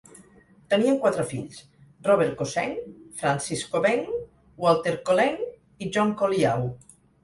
Tenien quatre fills: Robert Kho-Seng, Francis Kho-Beng, Walter Kho-Leng i John Kho-Liau.